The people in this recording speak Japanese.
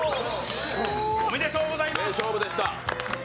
おめでとうございます。